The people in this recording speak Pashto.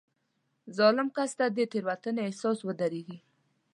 ظالم کس ته د تېروتنې احساس ودرېږي.